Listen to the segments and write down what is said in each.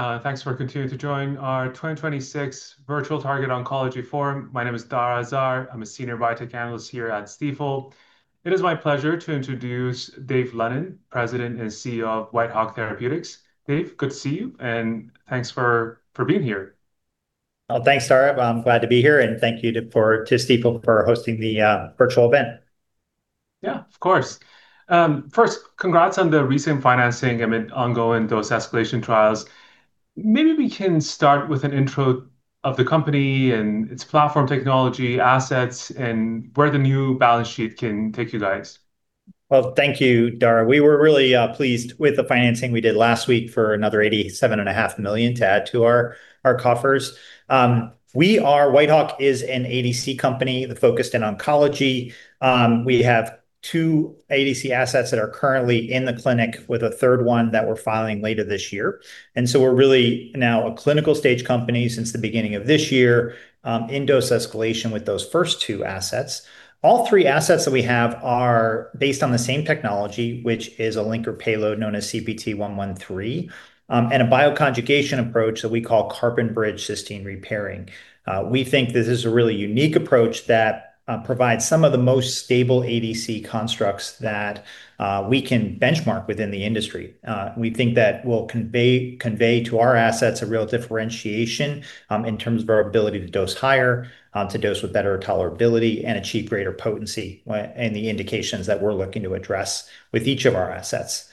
All right, thanks for continuing to join our 2026 Virtual Target Oncology Forum. My name is Dara Azar. I'm a senior biotech analyst here at Stifel. It is my pleasure to introduce Dave Lennon, President and CEO of Whitehawk Therapeutics. Dave, good to see you, and thanks for being here. Oh, thanks, Dara. I'm glad to be here. Thank you to Stifel for hosting the virtual event. Yeah, of course. First, congrats on the recent financing amid ongoing dose escalation trials. Maybe we can start with an intro of the company and its platform technology assets and where the new balance sheet can take you guys. Thank you, Dara. We were really pleased with the financing we did last week for another $87.5 million to add to our coffers. Whitehawk is an ADC company focused in oncology. We have two ADC assets that are currently in the clinic with a third one that we're filing later this year. We're really now a clinical stage company since the beginning of this year, in dose escalation with those first two assets. All three assets that we have are based on the same technology, which is a linker payload known as CPT-113, and a bioconjugation approach that we call carbon-bridge cysteine rebridging. We think this is a really unique approach that provides some of the most stable ADC constructs that we can benchmark within the industry. We think that will convey to our assets a real differentiation in terms of our ability to dose higher, to dose with better tolerability, and achieve greater potency in the indications that we're looking to address with each of our assets.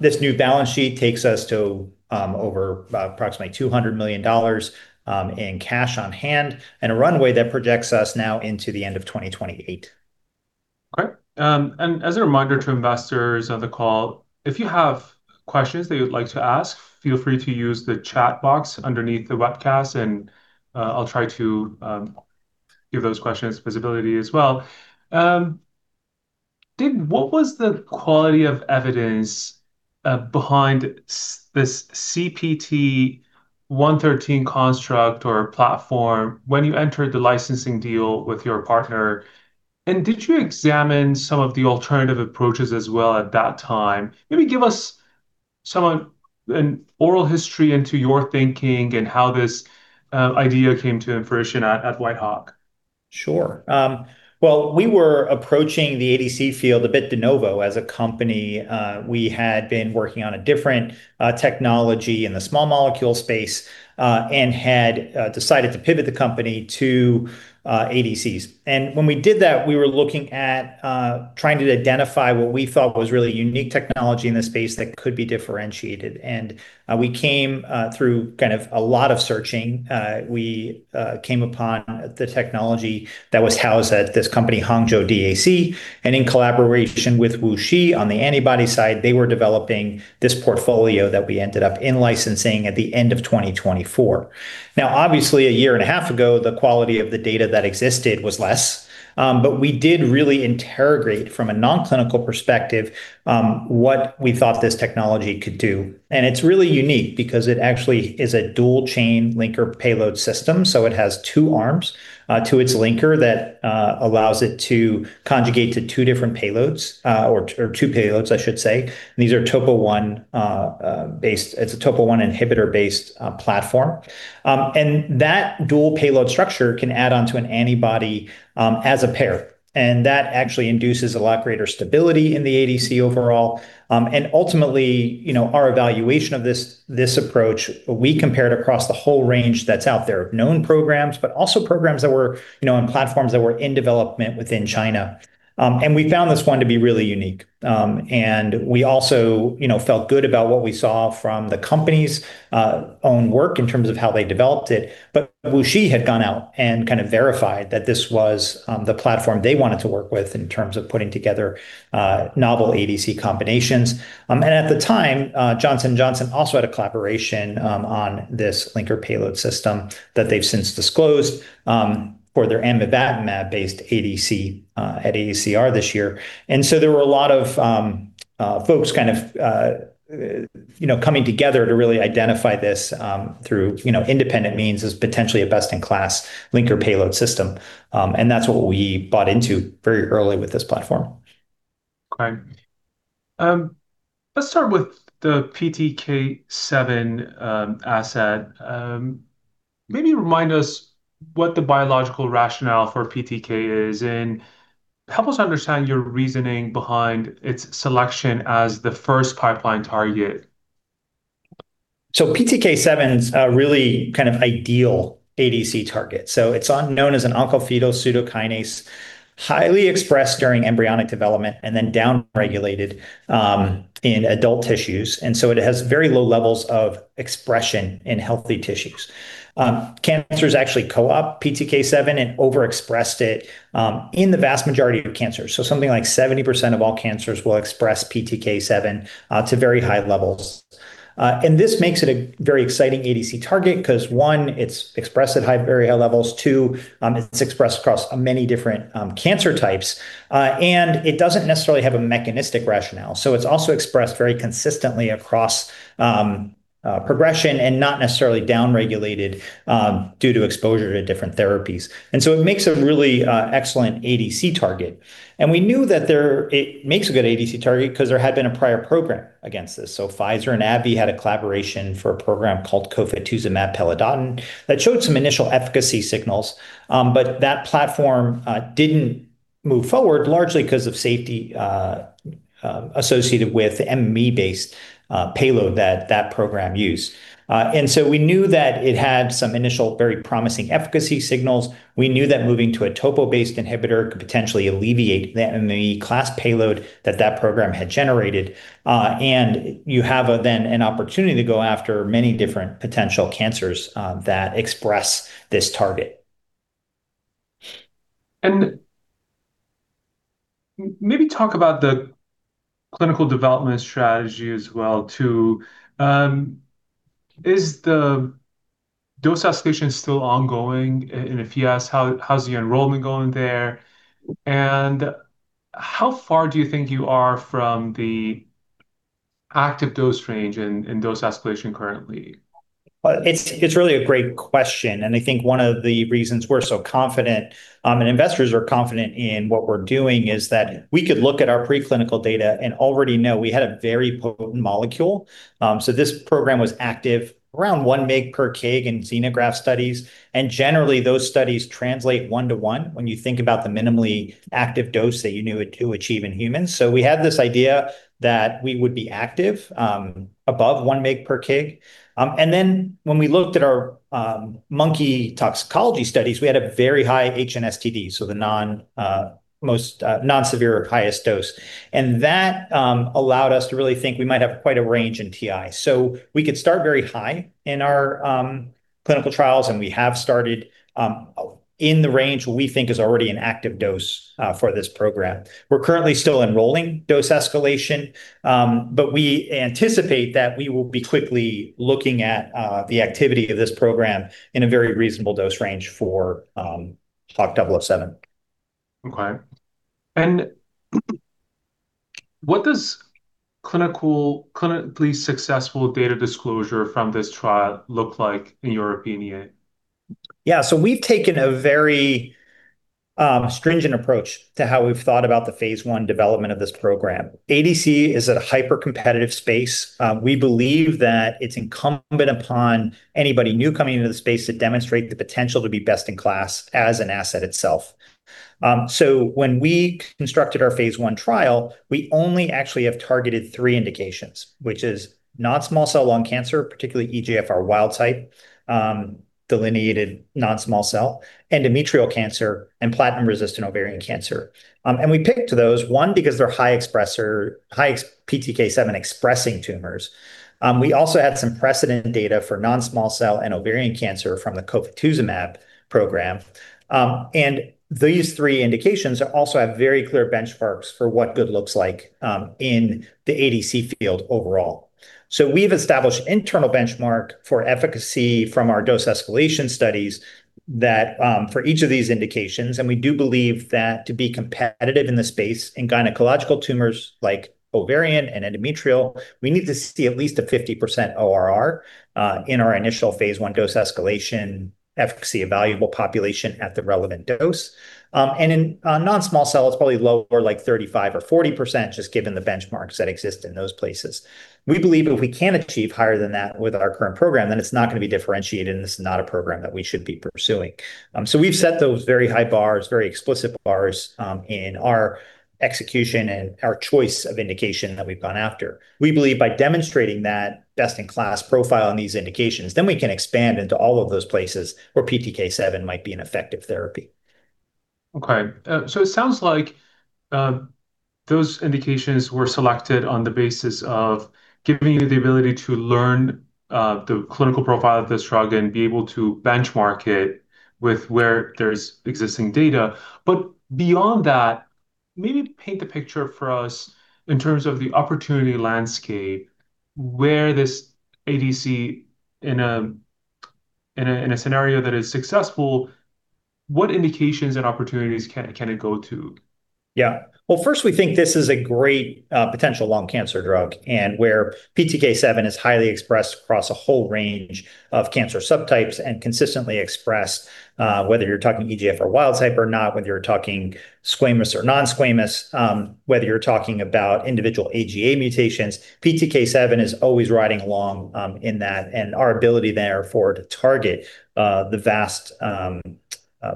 This new balance sheet takes us to over approximately $200 million in cash on hand and a runway that projects us now into the end of 2028. Okay. As a reminder to investors on the call, if you have questions that you'd like to ask, feel free to use the chat box underneath the webcast, I'll try to give those questions visibility as well. What was the quality of evidence behind this CPT-113 construct or platform when you entered the licensing deal with your partner? Did you examine some of the alternative approaches as well at that time? Maybe give us an oral history into your thinking and how this idea came to fruition at Whitehawk. Sure. Well, we were approaching the ADC field a bit de novo as a company. We had been working on a different technology in the small molecule space and had decided to pivot the company to ADCs. When we did that, we were looking at trying to identify what we thought was really unique technology in the space that could be differentiated. We came through kind of a lot of searching. We came upon the technology that was housed at this company, Hangzhou DAC, and in collaboration with WuXi on the antibody side, they were developing this portfolio that we ended up in-licensing at the end of 2024. Obviously, a year and a half ago, the quality of the data that existed was less. We did really interrogate from a non-clinical perspective, what we thought this technology could do. It's really unique because it actually is a dual chain linker payload system. It has two arms to its linker that allows it to conjugate to two different payloads, or two payloads, I should say. It's a Topo1 inhibitor-based platform. That dual payload structure can add on to an antibody as a pair, and that actually induces a lot greater stability in the ADC overall. Ultimately, you know, our evaluation of this approach, we compared across the whole range that's out there of known programs, but also programs that were, you know, and platforms that were in development within China. We found this one to be really unique. We also, you know, felt good about what we saw from the company's own work in terms of how they developed it. WuXi had gone out and kind of verified that this was the platform they wanted to work with in terms of putting together novel ADC combinations. At the time, Johnson & Johnson also had a collaboration on this linker-payload system that they've since disclosed for their amivantamab-based ADC at AACR this year. There were a lot of folks kind of, you know, coming together to really identify this through, you know, independent means as potentially a best-in-class linker-payload system. That's what we bought into very early with this platform. Let's start with the PTK7 asset. Maybe remind us what the biological rationale for PTK is, and help us understand your reasoning behind its selection as the first pipeline target. PTK7 is a really ideal ADC target. It's known as an oncofetal pseudokinase, highly expressed during embryonic development and then down-regulated in adult tissues. It has very low levels of expression in healthy tissues. Cancers actually co-opt PTK7 and overexpressed it in the vast majority of cancers. Something like 70% of all cancers will express PTK7 to very high levels. This makes it a very exciting ADC target cause one, it's expressed at very high levels two, it's expressed across many different cancer types, and it doesn't necessarily have a mechanistic rationale. It's also expressed very consistently across progression and not necessarily down-regulated due to exposure to different therapies. It makes a really excellent ADC target. We knew that it makes a good ADC target because there had been a prior program against this. Pfizer and AbbVie had a collaboration for a program called cofetuzumab pelidotin that showed some initial efficacy signals, but that platform didn't move forward largely because of safety associated with MMAE-based payload that that program used. We knew that it had some initial very promising efficacy signals. We knew that moving to a Topo1-based inhibitor could potentially alleviate the MMAE class payload that that program had generated. You have a then an opportunity to go after many different potential cancers that express this target. Maybe talk about the clinical development strategy as well too. Is the dose escalation still ongoing? If yes, how's the enrollment going there? How far do you think you are from the active dose range in dose escalation currently? Well, it's really a great question, and I think one of the reasons we're so confident, and investors are confident in what we're doing is that we could look at our preclinical data and already know we had a very potent molecule. This program was active around 1 mg/kg in xenograft studies, and generally, those studies translate one to one when you think about the minimally active dose that you knew it to achieve in humans. We had this idea that we would be active above 1 mg/kg. When we looked at our monkey toxicology studies, we had a very high HNSTD, so the non most non-severe of highest dose. That allowed us to really think we might have quite a range in TI. We could start very high in our clinical trials, and we have started in the range we think is already an active dose for this program. We're currently still enrolling dose escalation, but we anticipate that we will be quickly looking at the activity of this program in a very reasonable dose range for HWK-007. Okay. What does clinically successful data disclosure from this trial look like in your opinion? Yeah. We've taken a very stringent approach to how we've thought about the phase I development of this program. ADC is a hypercompetitive space. We believe that it's incumbent upon anybody new coming into the space to demonstrate the potential to be best in class as an asset itself. When we constructed our phase I trial, we only actually have targeted three indications, which is non-small cell lung cancer, particularly EGFR wild type, delineated non-small cell, endometrial cancer, and platinum-resistant ovarian cancer. We picked those, one, because they're high expressor, PTK7-expressing tumors. We also had some precedent data for non-small cell and ovarian cancer from the cofetuzumab program. These three indications also have very clear benchmarks for what good looks like in the ADC field overall. We've established internal benchmark for efficacy from our dose escalation studies that for each of these indications, and we do believe that to be competitive in the space in gynecological tumors like ovarian and endometrial, we need to see at least a 50% ORR in our initial phase I dose escalation efficacy evaluable population at the relevant dose. In non-small cell, it's probably lower, like 35% or 40%, just given the benchmarks that exist in those places. We believe if we can achieve higher than that with our current program, then it's not gonna be differentiated, and this is not a program that we should be pursuing. We've set those very high bars, very explicit bars, in our execution and our choice of indication that we've gone after. We believe by demonstrating that best-in-class profile on these indications, then we can expand into all of those places where PTK7 might be an effective therapy. Okay. It sounds like those indications were selected on the basis of giving you the ability to learn the clinical profile of this drug and be able to benchmark it with where there's existing data. Beyond that, maybe paint the picture for us in terms of the opportunity landscape where this ADC in a, in a, in a scenario that is successful, what indications and opportunities can it go to? Well, first we think this is a great potential lung cancer drug and where PTK7 is highly expressed across a whole range of cancer subtypes and consistently expressed, whether you're talking EGFR wild type or not, whether you're talking squamous or non-squamous, whether you're talking about individual AGA mutations, PTK7 is always riding along in that and our ability there for it to target the vast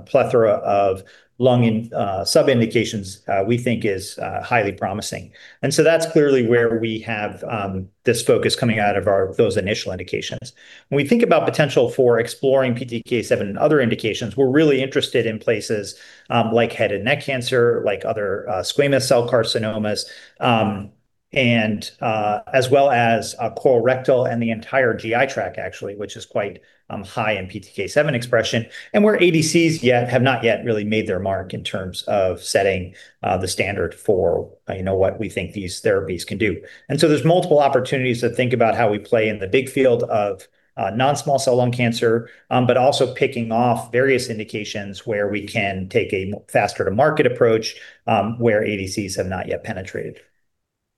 plethora of lung in sub-indications, we think is highly promising. That's clearly where we have this focus coming out of our those initial indications. When we think about potential for exploring PTK7 in other indications, we're really interested in places, like head and neck cancer, like other squamous cell carcinomas, and as well as colorectal and the entire GI tract actually, which is quite high in PTK7 expression, and where ADCs yet have not yet really made their mark in terms of setting the standard for, you know, what we think these therapies can do. There's multiple opportunities to think about how we play in the big field of non-small cell lung cancer, but also picking off various indications where we can take a faster-to-market approach, where ADCs have not yet penetrated.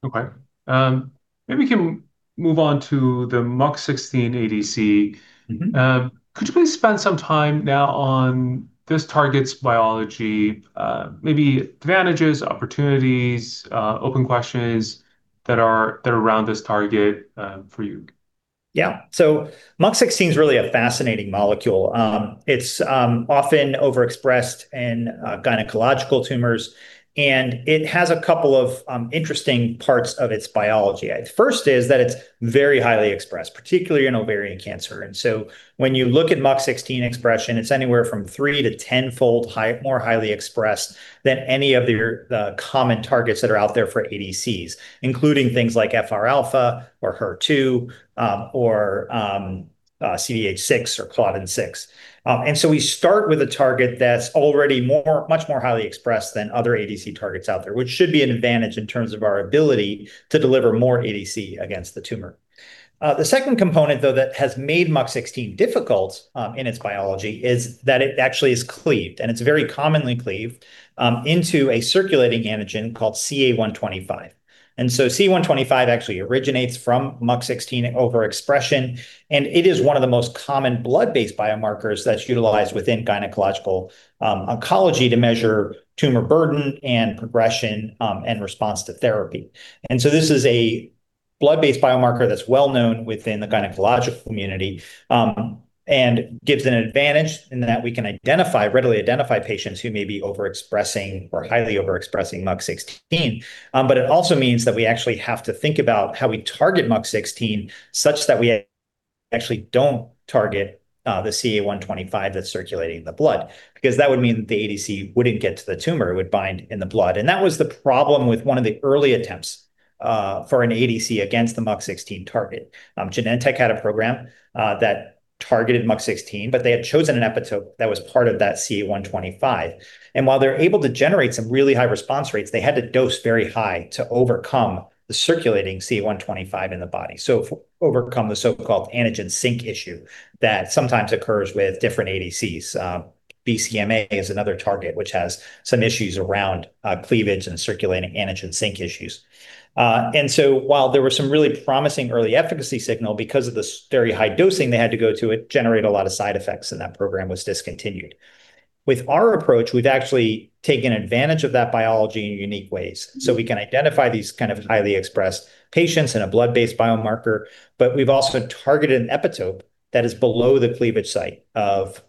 Okay. Maybe we can move on to the MUC16 ADC. Could you please spend some time now on this target's biology, maybe advantages, opportunities, open questions that are around this target, for you? Yeah. MUC16 is really a fascinating molecule. It's often overexpressed in gynecological tumors, and it has a couple of interesting parts of its biology. First is that it's very highly expressed, particularly in ovarian cancer. When you look at MUC16 expression, it's anywhere from 3 to 10-fold more highly expressed than any of your common targets that are out there for ADCs, including things like FR alpha or HER2, or CDH6 or claudin-6. We start with a target that's already much more highly expressed than other ADC targets out there, which should be an advantage in terms of our ability to deliver more ADC against the tumor. The second component, though, that has made MUC16 difficult in its biology is that it actually is cleaved, and it's very commonly cleaved into a circulating antigen called CA125. CA125 actually originates from MUC16 overexpression, and it is one of the most common blood-based biomarkers that's utilized within gynecological oncology to measure tumor burden and progression and response to therapy. This is a blood-based biomarker that's well known within the gynecological community and gives an advantage in that we can identify, readily identify patients who may be overexpressing or highly overexpressing MUC16. But it also means that we actually have to think about how we target MUC16 such that we actually don't target the CA125 that's circulating in the blood, because that would mean that the ADC wouldn't get to the tumor. It would bind in the blood. That was the problem with one of the early attempts for an ADC against the MUC16 target. Genentech had a program that targeted MUC16, but they had chosen an epitope that was part of that CA125. While they're able to generate some really high response rates, they had to dose very high to overcome the circulating CA125 in the body, so overcome the so-called antigen sink issue that sometimes occurs with different ADCs. BCMA is another target which has some issues around cleavage and circulating antigen sync issues. While there were some really promising early efficacy signal, because of the very high dosing they had to go to, it generated a lot of side effects, and that program was discontinued. With our approach, we've actually taken advantage of that biology in unique ways. We can identify these kind of highly expressed patients in a blood-based biomarker. We've also targeted an epitope that is below the cleavage site of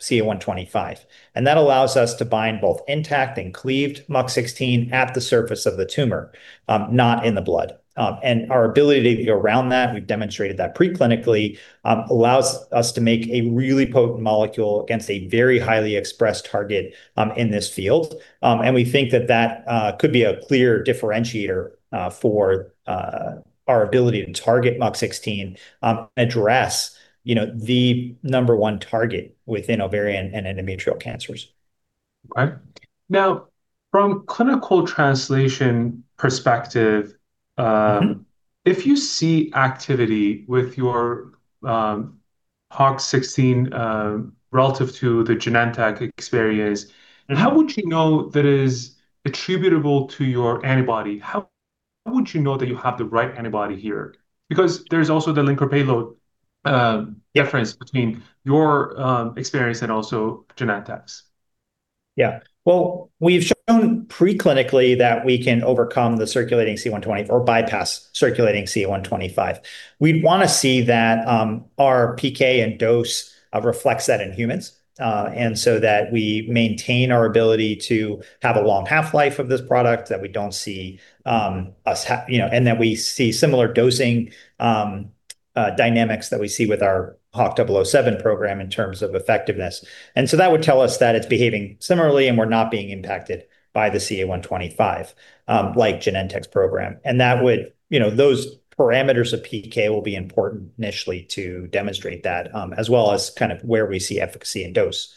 CA125. That allows us to bind both intact and cleaved MUC16 at the surface of the tumor, not in the blood. Our ability to go around that, we've demonstrated that preclinically, allows us to make a really potent molecule against a very highly expressed target in this field. We think that that could be a clear differentiator for our ability to target MUC16, address, you know, the number one target within ovarian and endometrial cancers. Okay. Now, from clinical translation perspective. if you see activity with your HWK-016, relative to the Genentech experience. how would you know that it is attributable to your antibody? How would you know that you have the right antibody here? There's also the linker payload. Yeah difference between your experience and also Genentech's. Yeah. Well, we've shown preclinically that we can overcome the circulating CA125 or bypass circulating CA125. We'd wanna see that our PK and dose reflects that in humans, so that we maintain our ability to have a long half-life of this product, that we don't see, you know, and that we see similar dosing dynamics that we see with our HWK-007 program in terms of effectiveness. So that would tell us that it's behaving similarly, and we're not being impacted by the CA125, like Genentech's program. That would, you know, those parameters of PK will be important initially to demonstrate that, as well as kind of where we see efficacy in dose.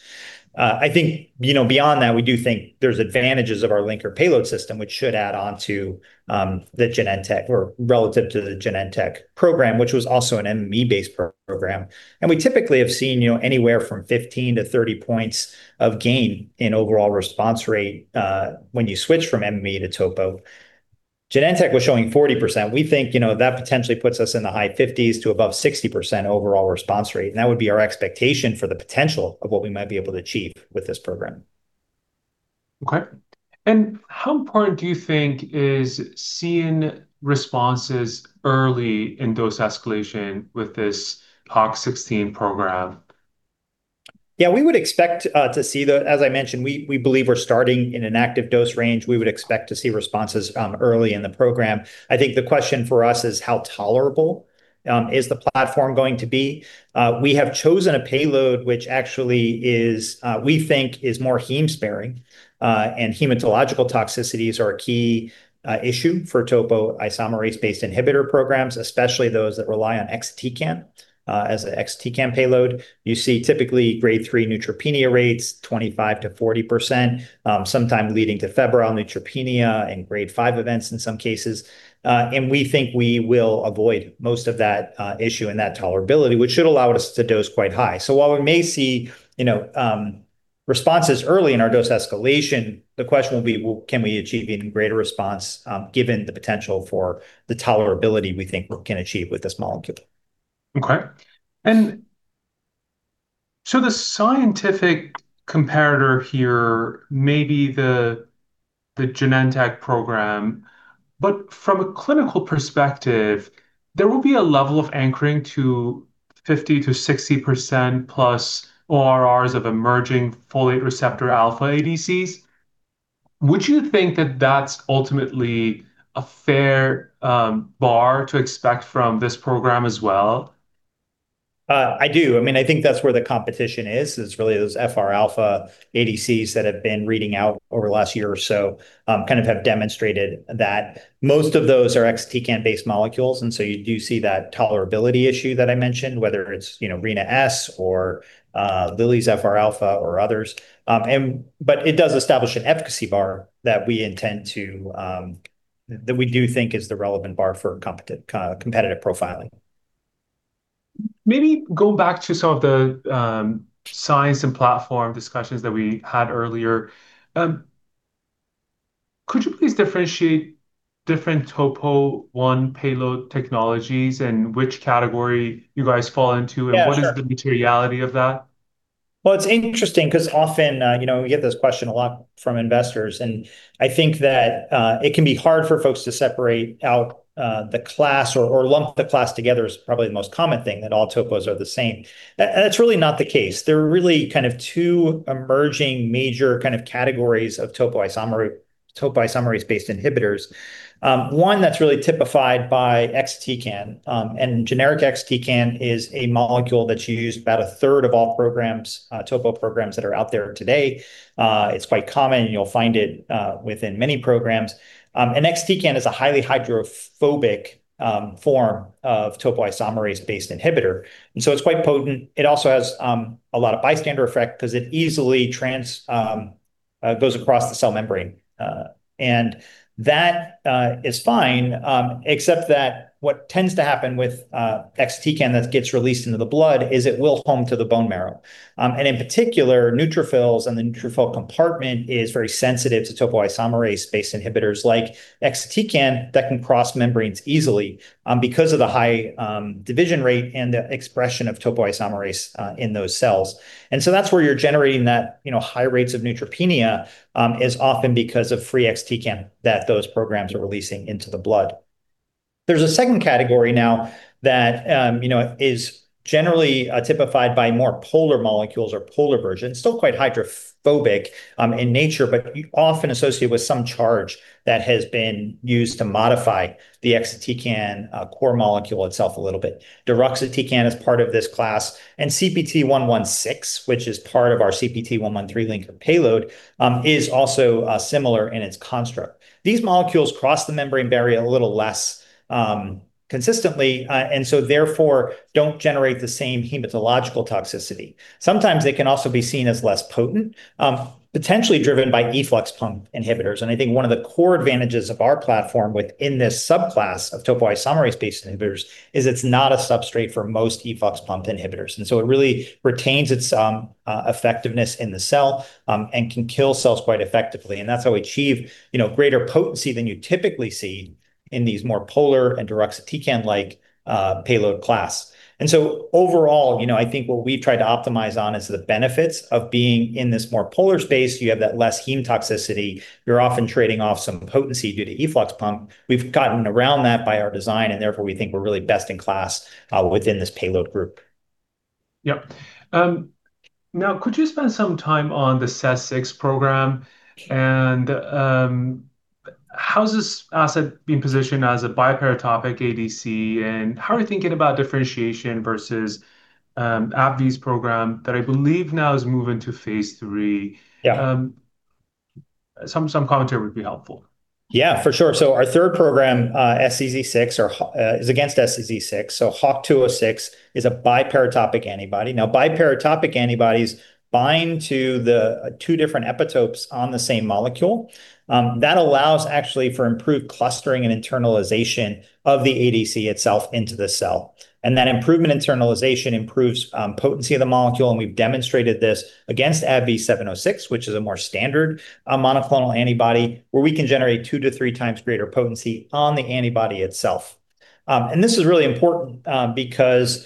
I think, you know, beyond that, we do think there's advantages of our linker payload system, which should add on to the Genentech or relative to the Genentech program, which was also an MMAE-based program. We typically have seen, you know, anywhere from 15 to 30 points of gain in overall response rate when you switch from MMAE to topo. Genentech was showing 40%. We think, you know, that potentially puts us in the high 50s to above 60% overall response rate, and that would be our expectation for the potential of what we might be able to achieve with this program. Okay. How important do you think is seeing responses early in dose escalation with this HWK-016 program? Yeah, we would expect, as I mentioned, we believe we're starting in an active dose range. We would expect to see responses early in the program. I think the question for us is how tolerable is the platform going to be. We have chosen a payload which actually is, we think is more heme-sparing, and hematological toxicities are a key issue for topoisomerase-based inhibitor programs, especially those that rely on XTCamp. As a XTCamp payload, you see typically Grade three neutropenia rates, 25%-40%, sometime leading to febrile neutropenia and Grade five events in some cases. We think we will avoid most of that issue and that tolerability, which should allow us to dose quite high. While we may see, you know, responses early in our dose escalation, the question will be can we achieve even greater response, given the potential for the tolerability we think we can achieve with this molecule? The scientific comparator here may be the Genentech program. From a clinical perspective, there will be a level of anchoring to 50%-60% plus ORRs of emerging folate receptor alpha ADCs. Would you think that that's ultimately a fair bar to expect from this program as well? I do. I mean, I think that's where the competition is really those FR alpha ADCs that have been reading out over the last year or so, kind of have demonstrated that most of those are Topo1-based molecules, and so you do see that tolerability issue that I mentioned, whether it's, you know, [bryna house] or Lilly's FR alpha or others. It does establish an efficacy bar that we intend to, that we do think is the relevant bar for competitive profiling. Maybe go back to some of the science and platform discussions that we had earlier. Could you please differentiate different Topo1 payload technologies and which category you guys fall into? Yeah, sure. What is the materiality of that? It's interesting cause often, you know, we get this question a lot from investors, and I think that it can be hard for folks to separate out the class or lump the class together is probably the most common thing, that all Topo1s are the same. That's really not the case. There are really kind of two emerging major kind of categories of topoisomerase-based inhibitors, one that's really typified by DXd, and generic DXd is a molecule that's used about third of all programs, Topo1 programs that are out there today. It's quite common. You'll find it within many programs. DXd is a highly hydrophobic form of topoisomerase-based inhibitor. It's quite potent. It also has a lot of bystander effect 'cause it easily goes across the cell membrane. That is fine, except that what tends to happen with DXd that gets released into the blood is it will home to the bone marrow. In particular, neutrophils and the neutrophil compartment is very sensitive to topoisomerase-based inhibitors like DXd that can cross membranes easily because of the high division rate and the expression of topoisomerase in those cells. That's where you're generating that, you know, high rates of neutropenia is often because of free DXd that those programs are releasing into the blood. There's a second category now that, you know, is generally typified by more polar molecules or polar versions, still quite hydrophobic in nature, but often associated with some charge that has been used to modify the DXd core molecule itself a little bit. Dato-DXd is part of this class, and CPT-11, which is part of our CPT-113 linker payload, is also similar in its construct. These molecules cross the membrane barrier a little less consistently, and so therefore don't generate the same hematological toxicity. Sometimes they can also be seen as less potent, potentially driven by efflux pump inhibitors. I think one of the core advantages of our platform within this subclass of topoisomerase-based inhibitors is it's not a substrate for most efflux pump inhibitors. It really retains its effectiveness in the cell and can kill cells quite effectively. That's how we achieve, you know, greater potency than you typically see in these more polar and Dato-DXd-like payload class. Overall, you know, I think what we've tried to optimize on is the benefits of being in this more polar space. You have that less heme toxicity. You're often trading off some potency due to efflux pump. We've gotten around that by our design, and therefore, we think we're really best in class within this payload group. Yep. Now could you spend some time on the SEZ6 program and how is this asset being positioned as a biparatopic ADC, and how are you thinking about differentiation versus AbbVie's program that I believe now is moving to phase III? Yeah. Some commentary would be helpful. Yeah, for sure. Our third program, SEZ6 is against SEZ6. HWK-206 is a biparatopic antibody. Now, biparatopic antibodies bind to the two different epitopes on the same molecule. That allows actually for improved clustering and internalization of the ADC itself into the cell. That improvement internalization improves potency of the molecule, and we've demonstrated this against ABBV-706, which is a more standard monoclonal antibody, where we can generate two-three times greater potency on the antibody itself. This is really important because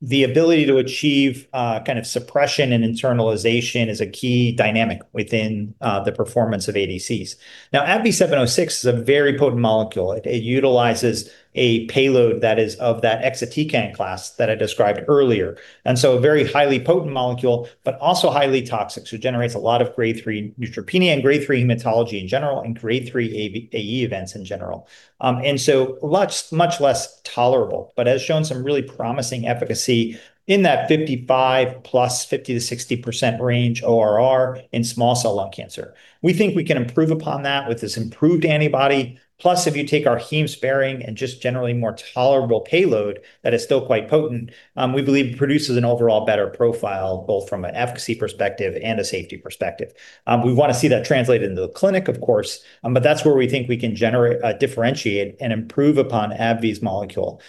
the ability to achieve kind of suppression and internalization is a key dynamic within the performance of ADCs. Now, ABBV-706 is a very potent molecule. It utilizes a payload that is of that DXd class that I described earlier. A very highly potent molecule, but also highly toxic, so generates a lot of grade three neutropenia and grade three hematology in general and grade three AE events in general. Much, much less tolerable, but has shown some really promising efficacy in that 55+ 50%-60% range ORR in small cell lung cancer. We think we can improve upon that with this improved antibody. If you take our heme-sparing and just generally more tolerable payload that is still quite potent, we believe produces an overall better profile, both from an efficacy perspective and a safety perspective. We wanna see that translated into the clinic, of course, but that's where we think we can generate, differentiate and improve upon AbbVie's molecule.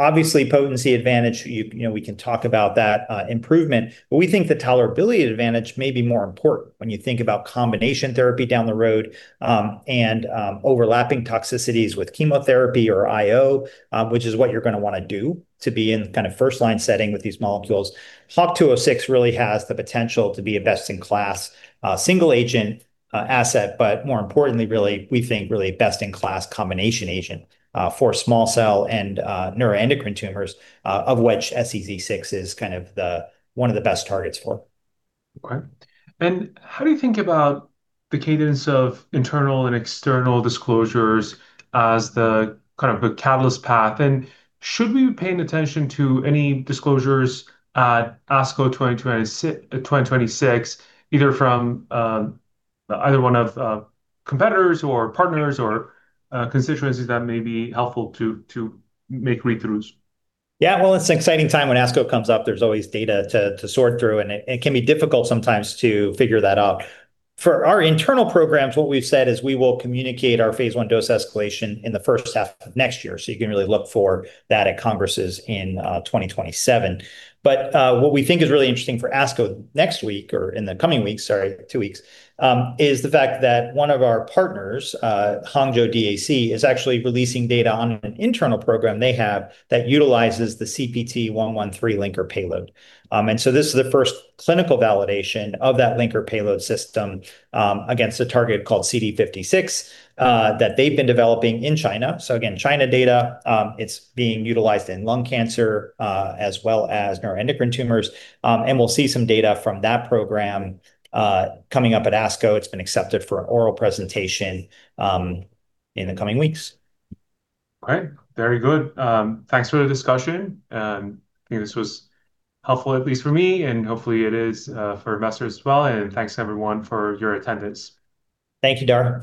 Obviously, potency advantage, you know, we can talk about that improvement, but we think the tolerability advantage may be more important when you think about combination therapy down the road, and overlapping toxicities with chemotherapy or IO, which is what you're gonna wanna do to be in kind of first line setting with these molecules. HWK-206 really has the potential to be a best in class single agent asset, but more importantly really, we think really best in class combination agent for small cell and neuroendocrine tumors, of which SEZ6 is kind of the one of the best targets for. Okay. How do you think about the cadence of internal and external disclosures as the kind of the catalyst path? Should we be paying attention to any disclosures at ASCO 2026, either from either one of competitors or partners or constituencies that may be helpful to make read-throughs? It's an exciting time when ASCO comes up. There's always data to sort through, and it can be difficult sometimes to figure that out. For our internal programs, what we've said is we will communicate our phase I dose escalation in the first half of next year. You can really look for that at congresses in 2027. What we think is really interesting for ASCO next week or in the coming weeks, sorry, two weeks, is the fact that one of our partners, Hangzhou DAC, is actually releasing data on an internal program they have that utilizes the CPT-113 linker payload. This is the first clinical validation of that linker payload system against a target called CD56 that they've been developing in China. Again, China data, it's being utilized in lung cancer, as well as neuroendocrine tumors. We'll see some data from that program coming up at ASCO. It's been accepted for an oral presentation in the coming weeks. Great. Very good. Thanks for the discussion. I think this was helpful, at least for me, and hopefully it is for investors as well. Thanks everyone for your attendance. Thank you, Dara.